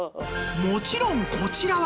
もちろんこちらは